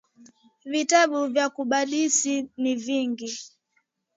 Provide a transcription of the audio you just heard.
Vitabu vya kudadisi ni vingi.